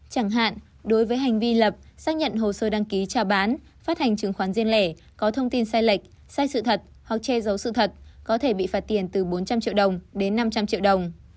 chẳng hạn đối với hành vi lập xác nhận hồ sơ đăng ký trả bán phát hành chứng khoán riêng lẻ có thông tin sai lệch sai sự thật hoặc che giấu sự thật có thể bị phạt tiền từ bốn trăm linh triệu đồng đến năm trăm linh triệu đồng